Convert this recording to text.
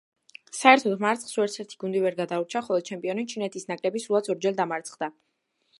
საერთოდ მარცხს ვერცერთი გუნდი ვერ გადაურჩა, ხოლო ჩემპიონი, ჩინეთის ნაკრები სულაც ორჯერ დამარცხდა.